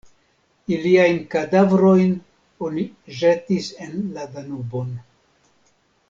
Iliajn kadavrojn oni ĵetis en la Danubon.